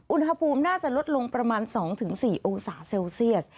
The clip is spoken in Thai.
อุณหภูมิน่าจะลดลงประมาณ๒๔องศาเซลเซียส